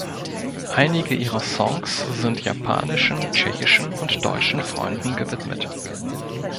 Einige ihrer Songs sind japanischen, tschechischen und deutschen Freunden gewidmet.